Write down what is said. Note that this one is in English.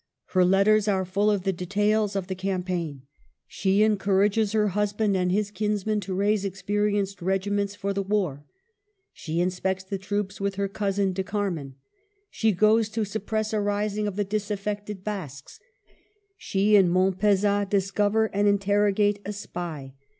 Her letters are full of the details of the cam paign. She encourages her husband and his kinsmen to raise experienced regiments for the war; she inspects the troops with her cousin De Carman ; she goes to suppress a rising of the disaffected Basques; she and Montpezat discover and interrogate a spy.